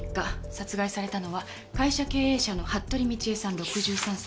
殺害されたのは会社経営者の服部倫恵さん６３歳。